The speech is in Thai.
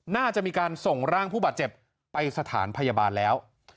น่าจะมีการส่งร่างผู้บาดเจ็บไปสถานพยาบาลแล้ว